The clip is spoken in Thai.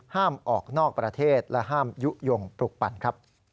ห้ามออกนอกประเทศและห้ามยุโยงปลุกปั่นครับ